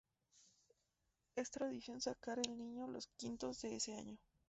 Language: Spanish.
Es tradición sacar el niño los quintos de ese año.